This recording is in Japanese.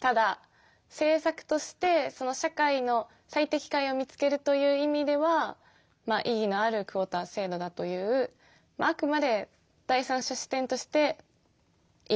ただ政策としてその社会の最適解を見つけるという意味ではまあ意義のあるクオータ制度だというあくまで第三者視点としていいというふうなスタンスです。